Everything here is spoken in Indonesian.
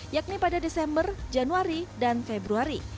yakni pada desember januari dan februari